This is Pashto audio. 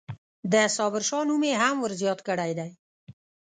د صابرشاه نوم یې هم ورزیات کړی دی.